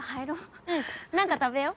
うん何か食べよう。